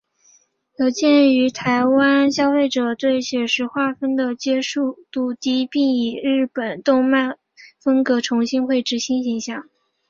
有鉴于台湾消费者对写实画风的接受度低并以日本动漫风格重新绘制新形象。